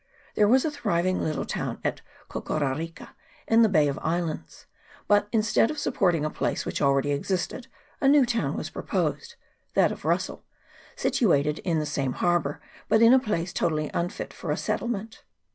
There was a thriving little town at Kororarika in the Bay of Islands ; but, instead of supporting a place which already existed, a new town was proposed, that of Russel, situated in the same harbour, but in a place totally unfit for a settlement.